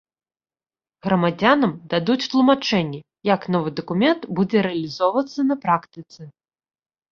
Грамадзянам дадуць тлумачэнні, як новы дакумент будзе рэалізоўвацца на практыцы.